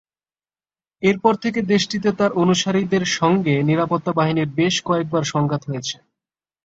এরপর থেকে দেশটিতে তাঁর অনুসারীদের সঙ্গে নিরাপত্তা বাহিনীর বেশ কয়েকবার সংঘাত হয়েছে।